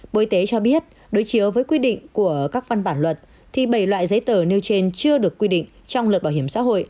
bộ y tế cho biết đối chiếu với quy định của các văn bản luật thì bảy loại giấy tờ nêu trên chưa được quy định trong luật bảo hiểm xã hội